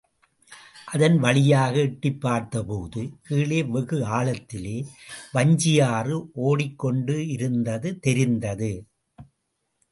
அதன் வழியாக எட்டிப் பார்த்த போது கீழே வெகு ஆழத்திலே வஞ்சியாறு ஓடிக் கொண்டிருந்தது தெரிந்தது.